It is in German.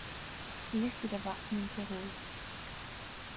Liste der Wappen in Tirol